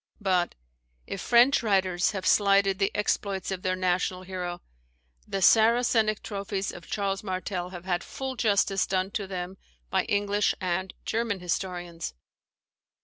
But, if French writers have slighted the exploits of their national hero, the Saracenic trophies of Charles Martel have had full justice done to them by English and German historians.